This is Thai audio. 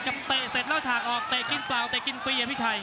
เตะเสร็จแล้วฉากออกเตะกินเปล่าเตะกินฟรีอ่ะพี่ชัย